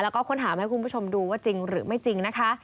แล้วก็ค้นหามาให้คุณผู้ชมดูว่าจริงหรือไม่จริงนะคะ